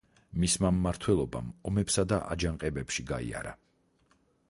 მისმა მმართველობამ ომებსა და აჯანყებებში გაიარა.